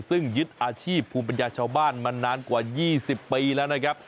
ซึ่งยึดอาชีพภูมิปัญญาชาวบ้านมานานกว่า๒๐ปีแล้วนะครับ